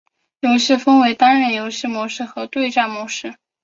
游戏分为单人游戏模式和对战模式。